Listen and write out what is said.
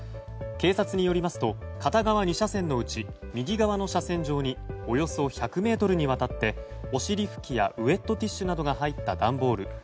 警察によりますと片側２車線のうち右側の車線上におよそ１００ｍにわたってお尻拭きやウェットティッシュなどが入った段ボール